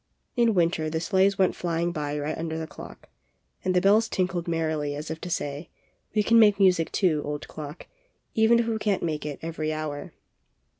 In winter the sleighs went flying by right under the clock, and the bells tinkled merrily as if to say: 'We can make music, too, old clock, even if we can't make it every hour."